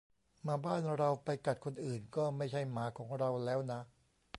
"หมาบ้านเรา ไปกัดคนอื่น ก็ไม่ใช่หมาของเราแล้วนะ"